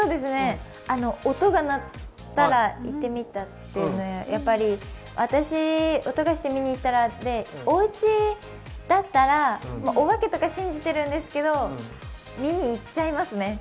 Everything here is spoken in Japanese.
音が鳴ったら行ってみたっていうの、私、音がして見に行ったらって、おうちだったらお化けとか信じているんですけど、見にいっちゃいますね。